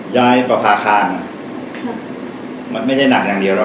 ย้ายประพาคารมันไม่ใช่หนักอย่างเดียวแล้ว